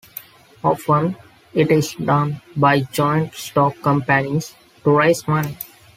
Often it is done by joint stock companies to raise money.